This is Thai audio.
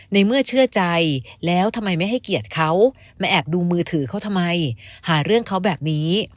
ในเมื่อเชื่อใจแล้วทำไมไม่ให้เกียรติเขามาแอบดูมือถือเขาทำไมหาเรื่องเขาแบบนี้